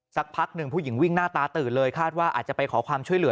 สักพักหนึ่งผู้หญิงวิ่งหน้าตาตื่นเลยคาดว่าอาจจะไปขอความช่วยเหลือ